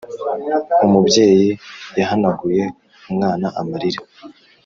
umubyeyi yahanaguye umwana amarira (